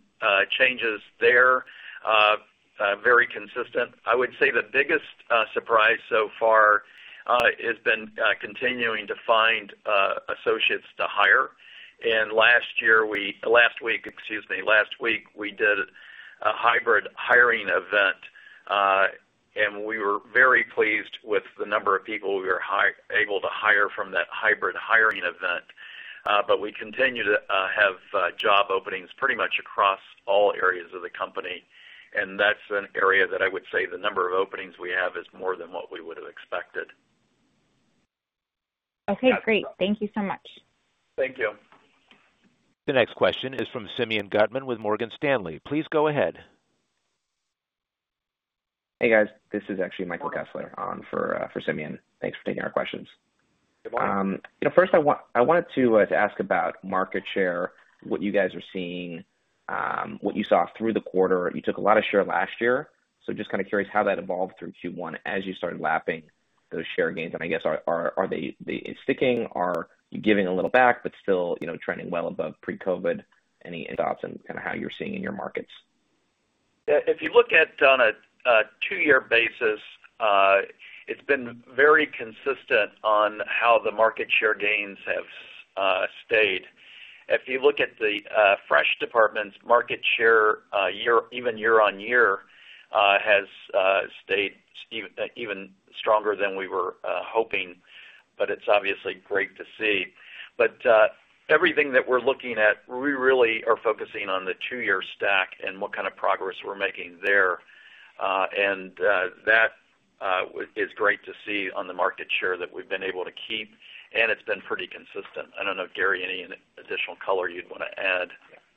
changes there, very consistent. I would say the biggest surprise so far has been continuing to find associates to hire. Last week, we did a hybrid hiring event. We were very pleased with the number of people we were able to hire from that hybrid hiring event. We continue to have job openings pretty much across all areas of the company, and that's an area that I would say the number of openings we have is more than what we would've expected. Okay, great. Thank you so much. Thank you. The next question is from Simeon Gutman with Morgan Stanley. Please go ahead. Hey, guys. This is actually Michael Kessler on for Simeon. Thanks for taking our questions. Good morning. I wanted to ask about market share, what you guys are seeing, what you saw through the quarter. You took a lot of share last year, just kind of curious how that evolved through Q1 as you started lapping those share gains. I guess, are they sticking? Are you giving a little back, still trending well above pre-COVID? Any thoughts on kind of how you're seeing in your markets? If you look at on a two-year basis, it's been very consistent on how the market share gains have stayed. If you look at the fresh department's market share, even year-over-year, has stayed even stronger than we were hoping, but it's obviously great to see. Everything that we're looking at, we really are focusing on the two-year stack and what kind of progress we're making there. That is great to see on the market share that we've been able to keep, and it's been pretty consistent. I don't know, Gary, any additional color you'd want to add.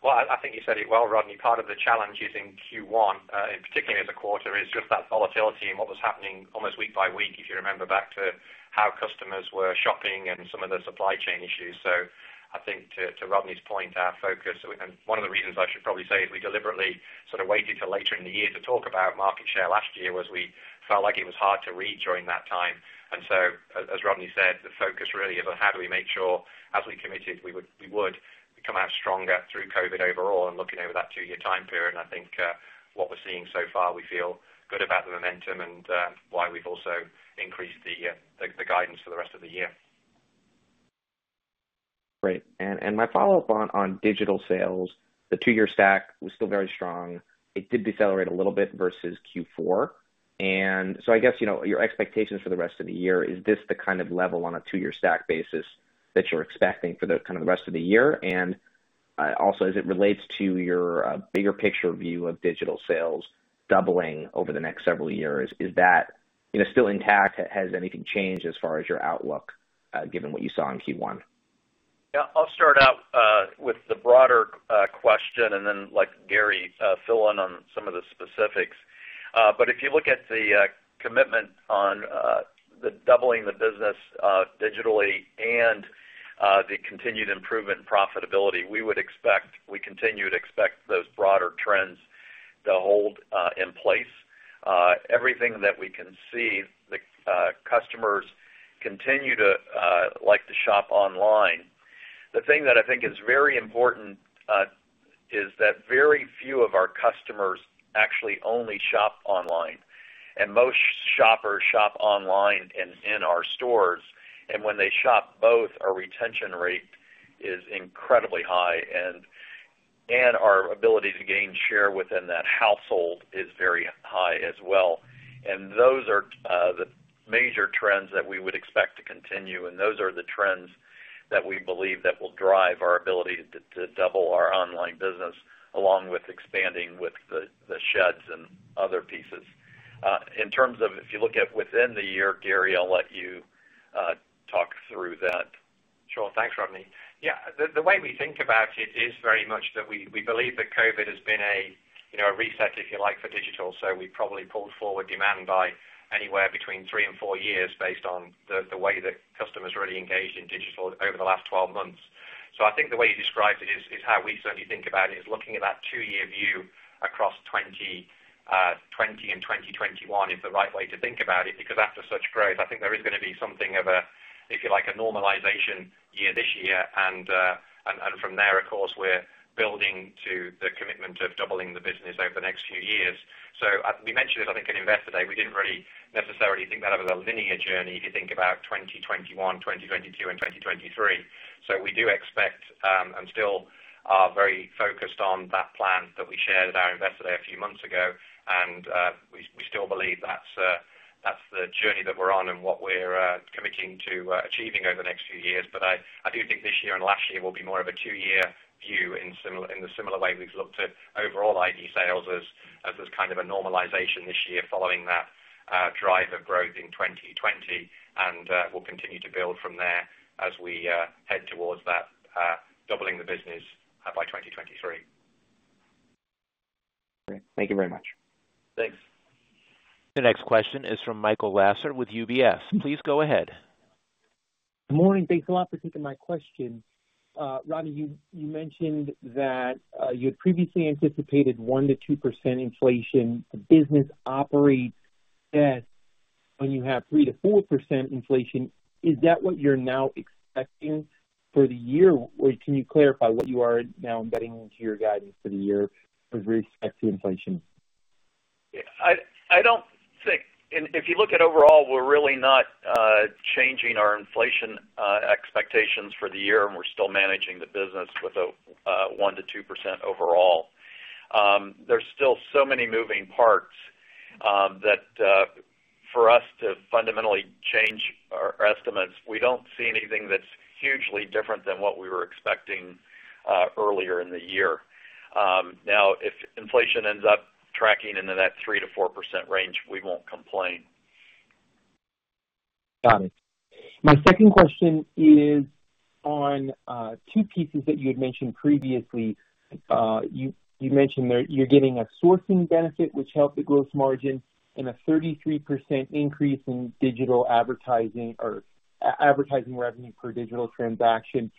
Well, I think you said it well, Rodney. Part of the challenge is in Q1, in particularly as a quarter, is just that volatility and what was happening almost week by week, if you remember back to how customers were shopping and some of the supply chain issues. I think to Rodney's point, our focus and one of the reasons I should probably say is we deliberately sort of waited till later in the year to talk about market share last year, was we felt like it was hard to read during that time. As Rodney said, the focus really of how do we make sure, as we committed, we would come out stronger through COVID-19 overall and looking over that two-year time period. I think, what we're seeing so far, we feel good about the momentum and why we've also increased the guidance for the rest of the year. Great. My follow-up on digital sales, the two-year stack was still very strong. It did decelerate a little bit versus Q4. I guess, your expectations for the rest of the year, is this the kind of level on a two-year stack basis that you're expecting for the kind of the rest of the year? Also, as it relates to your bigger picture view of digital sales doubling over the next several years, is that still intact? Has anything changed as far as your outlook, given what you saw in Q1? Yeah, I'll start out with the broader question and then let Gary fill in on some of the specifics. If you look at the commitment on the doubling the business digitally and the continued improvement in profitability, we continue to expect those broader trends to hold in place. Everything that we can see, the customers continue to like to shop online. The thing that I think is very important, is that very few of our customers actually only shop online, and most shoppers shop online and in our stores. When they shop both, our retention rate is incredibly high, and our ability to gain share within that household is very high as well. Those are the major trends that we would expect to continue. Those are the trends that we believe that will drive our ability to double our online business along with expanding with the sheds and other pieces. In terms of if you look at within the year, Gary, I'll let you talk through that. Thanks, Rodney. The way we think about it is very much that we believe that COVID has been a reset, if you like, for digital. We probably pulled forward demand by anywhere between three and four years based on the way that customers really engaged in digital over the last 12 months. I think the way you described it is how we certainly think about it, is looking at that two-year view across 2020 and 2021 is the right way to think about it, because after such growth, I think there is going to be something of a, if you like, a normalization year this year and from there, of course, we're building to the commitment of doubling the business over the next few years. We mentioned this, I think, at Investor Day. We didn't really necessarily think that was a linear journey if you think about 2021, 2022, and 2023. We do expect and still are very focused on that plan that we shared at our Investor Day a few months ago, and we still believe that's the journey that we're on and what we're committing to achieving over the next few years. I do think this year and last year will be more of a two-year view in the similar way we've looked at overall ID sales as there's kind of a normalization this year following that drive of growth in 2020, and we'll continue to build from there as we head towards that doubling the business by 2023. Thank you very much. Thanks. The next question is from Michael Lasser with UBS. Please go ahead. Morning. Thanks a lot for taking my question. Rodney, you mentioned that you had previously anticipated 1%-2% inflation. The business operates best when you have 3%-4% inflation. Is that what you're now expecting for the year? Can you clarify what you are now embedding into your guidance for the year for risk ex inflation? If you look at overall, we're really not changing our inflation expectations for the year, and we're still managing the business with a 1%-2% overall. There's still so many moving parts that for us to fundamentally change our estimates, we don't see anything that's hugely different than what we were expecting earlier in the year. Now, if inflation ends up tracking in that 3%-4% range, we won't complain. Got it. My second question is on two pieces that you had mentioned previously. You mentioned that you're getting a sourcing benefit which helped the gross margin and a 33% increase in digital advertising or advertising revenue per digital transaction,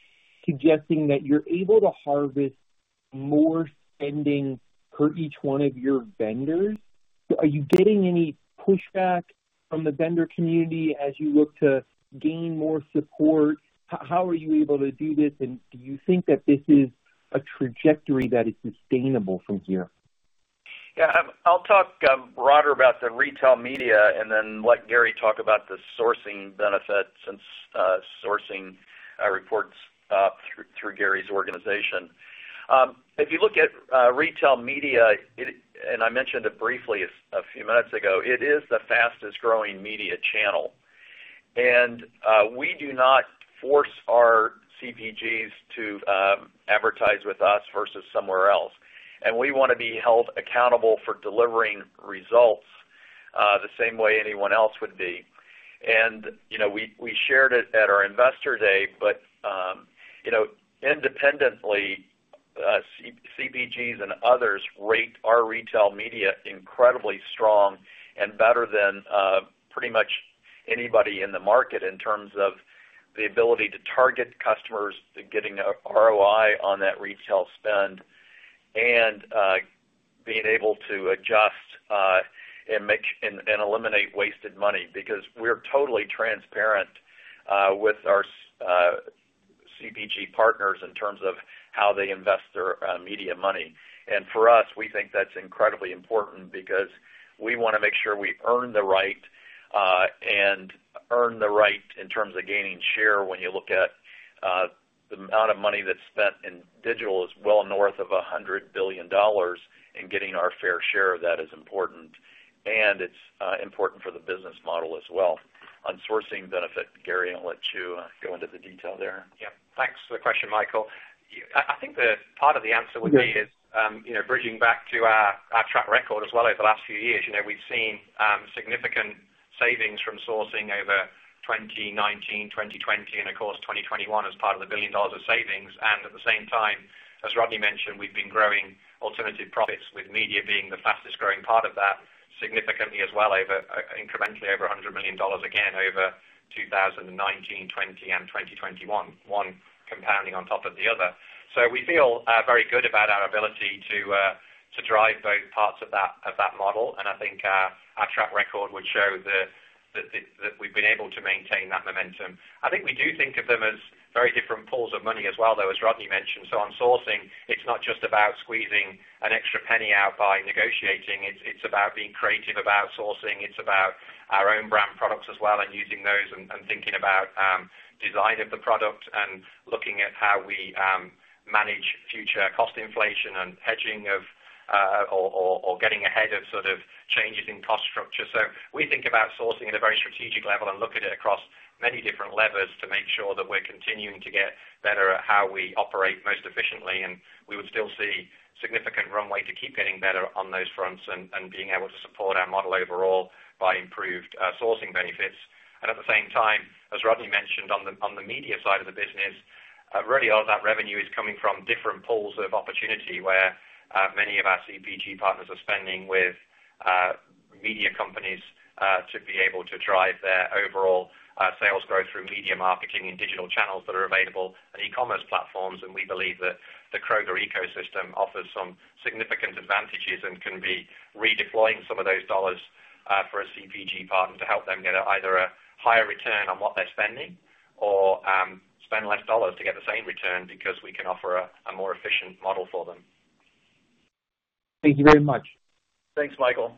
suggesting that you're able to harvest more spending per each one of your vendors. Are you getting any pushback from the vendor community as you look to gain more support? How are you able to do this, and do you think that this is a trajectory that is sustainable from here? Yeah, I'll talk broader about the retail media and then let Gary talk about the sourcing benefit since sourcing reports through Gary's organization. If you look at retail media and I mentioned it briefly a few months ago. It is the fastest growing media channel. We do not force our CPGs to advertise with us versus somewhere else. We want to be held accountable for delivering results, the same way anyone else would be. We shared it at our Investor Day, but independently, CPGs and others rate our retail media incredibly strong and better than pretty much anybody in the market in terms of the ability to target customers, getting an ROI on that retail spend, and being able to adjust, and eliminate wasted money because we're totally transparent with our CPG partners in terms of how they invest their media money. For us, we think that's incredibly important because we want to make sure we earn the right and earn the right in terms of gaining share when you look at the amount of money that's spent in digital is well north of $100 billion and getting our fair share of that is important, and it's important for the business model as well. On sourcing benefit, Gary, I'll let you go into the detail there. Yeah. Thanks for the question, Michael. I think that part of the answer would be is bridging back to our track record as well over the last few years. We've seen significant savings from sourcing over 2019, 2020, and of course, 2021 as part of the $1 billion of savings. At the same time, as Rodney mentioned, we've been growing alternative profits, with media being the fastest growing part of that significantly as well over, I think, incrementally over $100 million, again, over 2019, 2020, and 2021, one compounding on top of the other. We feel very good about our ability to drive both parts of that model, and I think our track record would show that we've been able to maintain that momentum. I think we do think of them as very different pools of money as well, though, as Rodney mentioned. On sourcing, it's not just about squeezing an extra penny out by negotiating. It's about being creative about sourcing. It's about Our Brands products as well and using those and thinking about design of the product and looking at how we manage future cost inflation and hedging of or getting ahead of sort of changes in cost structure. We think about sourcing at a very strategic level and look at it across many different levers to make sure that we're continuing to get better at how we operate most efficiently, and we would still see significant runway to keep getting better on those fronts and being able to support our model overall by improved sourcing benefits. At the same time, as Rodney mentioned on the media side of the business, really all that revenue is coming from different pools of opportunity where many of our CPG partners are spending with media companies to be able to drive their overall sales growth through media marketing and digital channels that are available on e-commerce platforms. We believe that the Kroger ecosystem offers some significant advantages and can be redeploying some of those dollars for a CPG partner to help them get either a higher return on what they're spending or spend less dollars to get the same return because we can offer a more efficient model for them. Thank you very much. Thanks, Michael.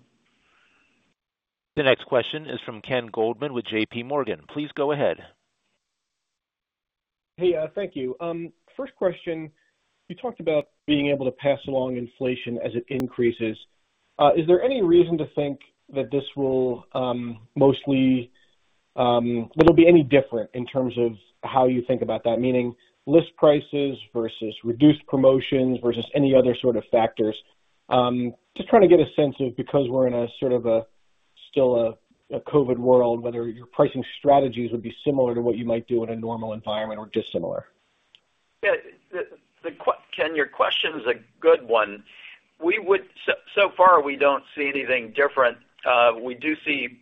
The next question is from Ken Goldman with JPMorgan. Please go ahead. Hey. Thank you. First question, you talked about being able to pass along inflation as it increases. Is there any reason to think that this will be any different in terms of how you think about that, meaning list prices versus reduced promotions versus any other sort of factors? Just trying to get a sense of, because we're in a sort of still a COVID-19 world, whether your pricing strategies would be similar to what you might do in a normal environment or just similar. Ken, your question is a good one. So far, we don't see anything different. We do see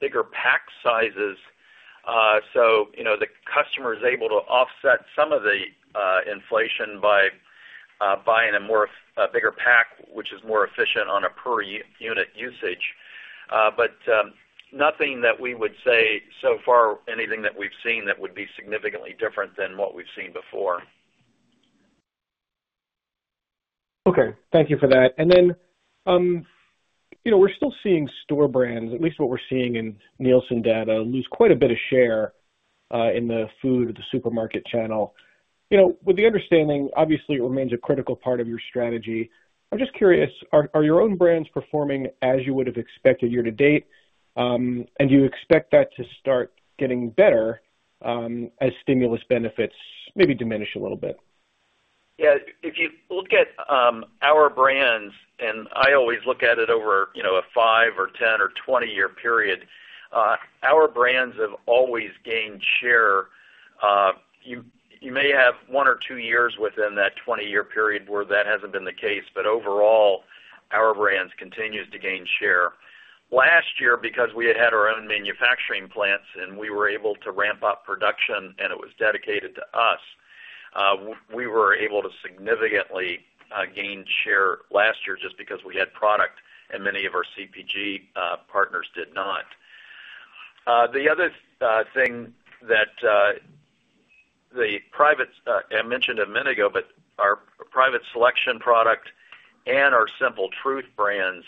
bigger pack sizes. The customer is able to offset some of the inflation by buying a bigger pack, which is more efficient on a per unit usage. Nothing that we would say so far, anything that we've seen that would be significantly different than what we've seen before. Okay. Thank you for that. We're still seeing store brands, at least what we're seeing in Nielsen data, lose quite a bit of share in the food at the supermarket channel. With the understanding, obviously, it remains a critical part of your strategy. I'm just curious, are your own brands performing as you would've expected year to date? Do you expect that to start getting better as stimulus benefits maybe diminish a little bit? Yeah. If you look at Our Brands, and I always look at it over a five or 10 or 20-year period, Our Brands have always gained share. You may have one or two years within that 20-year period where that hasn't been the case. Overall, Our Brands continued to gain share. Last year, because we had our own manufacturing plants and we were able to ramp up production and it was dedicated to us, we were able to significantly gain share last year just because we had product and many of our CPG partners did not. The other thing that I mentioned a minute ago, Our Private Selection product and Our Simple Truth brands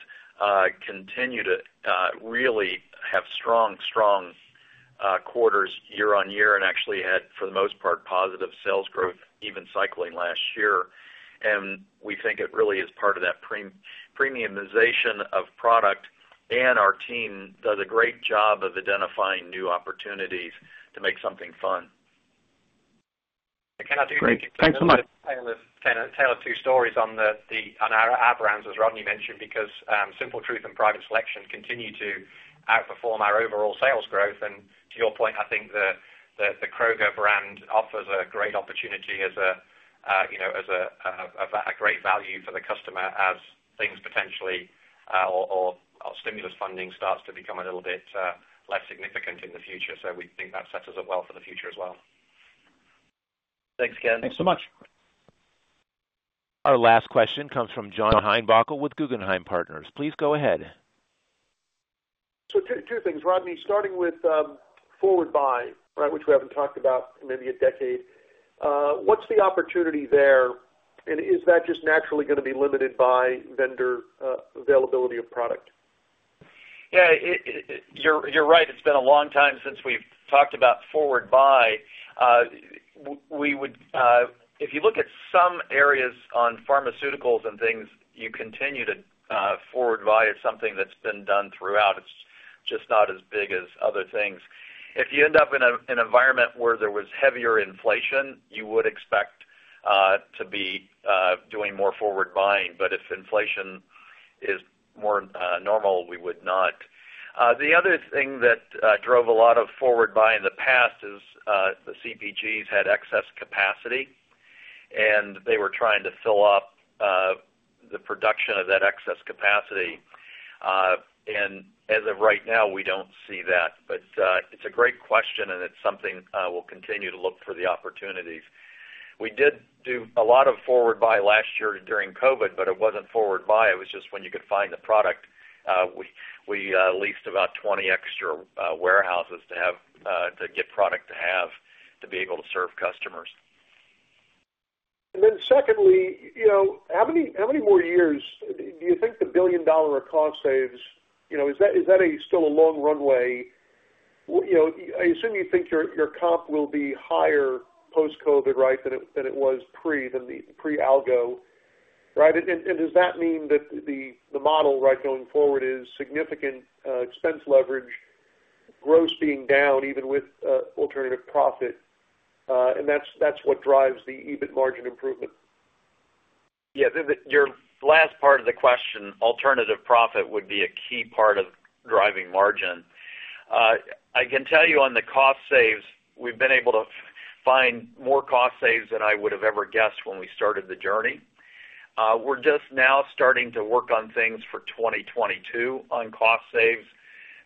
continue to really have strong quarters year-on-year and actually had, for the most part, positive sales growth, even cycling last year. We think it really is part of that premiumization of product, and our team does a great job of identifying new opportunities to make something fun. Great. Thanks so much. Ken, I do think there's a tale of two stories on Our Brands, as Rodney mentioned, because Simple Truth and Private Selection continue to outperform our overall sales growth. To your point, I think the Kroger brand offers a great opportunity as a great value for the customer as things potentially or stimulus funding starts to become a little bit less significant in the future. We think that sets us up well for the future as well. Thanks, Ken. Thanks so much. Our last question comes from John Heinbockel with Guggenheim Partners. Please go ahead. Two things, Rodney. Starting with forward buy, which we haven't talked about in maybe a decade. What's the opportunity there, and is that just naturally going to be limited by vendor availability of product? Yeah. You're right. It's been a long time since we've talked about forward buy. If you look at some areas on pharmaceuticals and things, forward buy is something that's been done throughout. It's just not as big as other things. If you end up in an environment where there was heavier inflation, you would expect to be doing more forward buying. If inflation is more normal, we would not. The other thing that drove a lot of forward buy in the past is the CPGs had excess capacity, and they were trying to fill up the production of that excess capacity. Right now, we don't see that. It's a great question, and it's something we'll continue to look for the opportunities. We did do a lot of forward buy last year during COVID-19, but it wasn't forward buy. It was just when you could find the product. We leased about 20 extra warehouses to get product to have to be able to serve customers. Secondly, how many more years do you think the billion-dollar cost saves, is that still a long runway? I assume you think your comp will be higher post-COVID than it was pre-algo. Right. Does that mean that the model going forward is significant expense leverage, gross being down even with alternative profit, and that's what drives the EBIT margin improvement? Your last part of the question, alternative profit would be a key part of driving margin. I can tell you on the cost saves, we've been able to find more cost saves than I would've ever guessed when we started the journey. We're just now starting to work on things for 2022 on cost saves.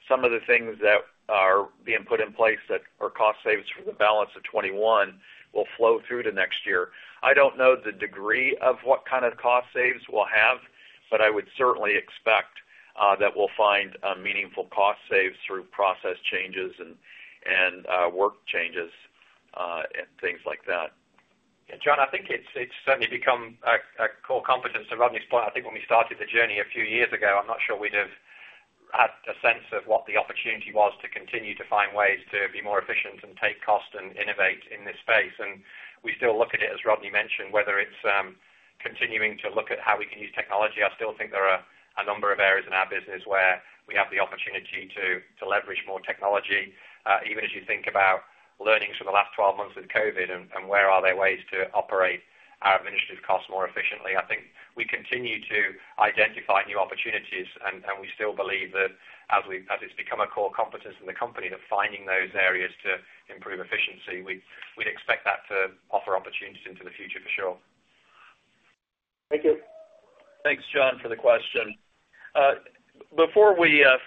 Some of the things that are being put in place that are cost saves for the balance of 2021 will flow through to next year. I don't know the degree of what kind of cost saves we'll have, but I would certainly expect that we'll find meaningful cost saves through process changes and work changes, things like that. John, I think it's certainly become a core competence. Rodney's point, I think when we started the journey a few years ago, I'm not sure we'd have had a sense of what the opportunity was to continue to find ways to be more efficient and take cost and innovate in this space. We still look at it, as Rodney mentioned, whether it's continuing to look at how we can use technology. I still think there are a number of areas in our business where we have the opportunity to leverage more technology, even as you think about learnings from the last 12 months of COVID and where are there ways to operate our businesses cost more efficiently. I think we continue to identify new opportunities, and we still believe that as it's become a core competence in the company of finding those areas to improve efficiency, we'd expect that to offer opportunities into the future for sure. Thank you. Thanks, John, for the question. Before we finish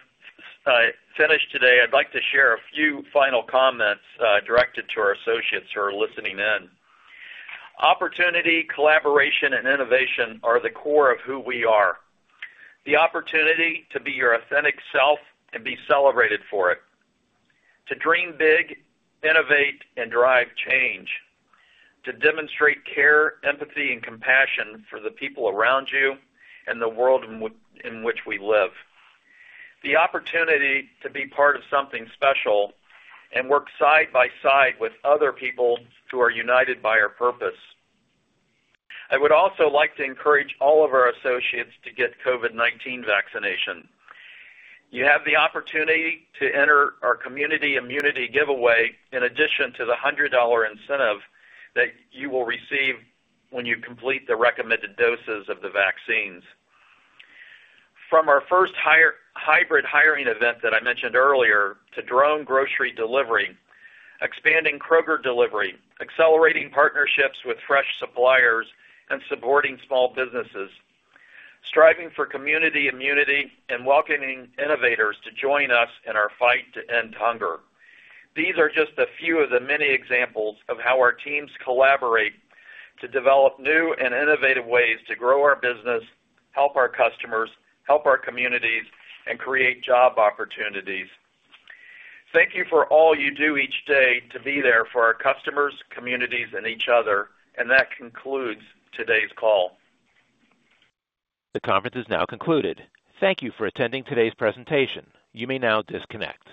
today, I'd like to share a few final comments directed to our associates who are listening in. Opportunity, collaboration, and innovation are the core of who we are. The opportunity to be your authentic self and be celebrated for it, to dream big, innovate, and drive change, to demonstrate care, empathy, and compassion for the people around you and the world in which we live. The opportunity to be part of something special and work side by side with other people who are united by our purpose. I would also like to encourage all of our associates to get COVID-19 vaccination. You have the opportunity to enter our Community Immunity giveaway in addition to the $100 incentive that you will receive when you complete the recommended doses of the vaccines. From our first hybrid hiring event that I mentioned earlier to drone grocery delivery, expanding Kroger Delivery, accelerating partnerships with fresh suppliers, and supporting small businesses, striving for Community Immunity, and welcoming innovators to join us in our fight to end hunger. These are just a few of the many examples of how our teams collaborate to develop new and innovative ways to grow our business, help our customers, help our communities, and create job opportunities. Thank you for all you do each day to be there for our customers, communities, and each other, and that concludes today's call. The conference is now concluded. Thank you for attending today's presentation. You may now disconnect.